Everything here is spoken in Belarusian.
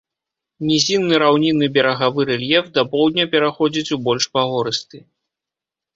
Нізінны раўнінны берагавы рэльеф да поўдня пераходзіць у больш пагорысты.